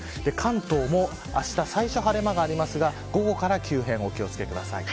関東もあした最初は晴れ間がありますが、午後から急変にお気を付けください。